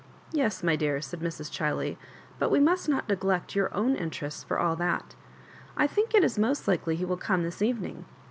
"Yes, n^ dear," said Mrs. Chiley, ^'but we must not neglect your own interests for all that I think it is most likely he will come this even ing.